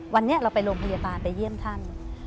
วันนี้เราไปโรงพยาบาลไปเยี่ยมท่าน